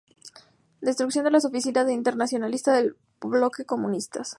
Destrucción de las Oficinas de Internacionalista del bloque Comunistas.